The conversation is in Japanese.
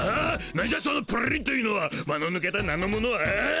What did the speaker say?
なんじゃそのプリンというのは間のぬけた名のものは。ああ？